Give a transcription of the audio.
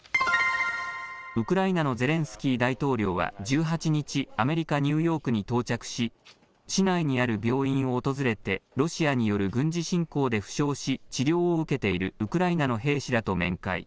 ウクライナのゼレンスキー大統領は１８日、アメリカ・ニューヨークに到着し市内にある病院を訪れてロシアによる軍事侵攻で負傷し治療を受けているウクライナの兵士らと面会。